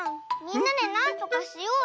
みんなでなんとかしようよ！